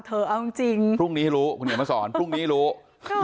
พรุ่งนี้ให้รู้คุณหญิงค่อนข้างสอน